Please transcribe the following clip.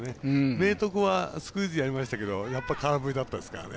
明徳はスクイズやりましたけど空振りだったですからね。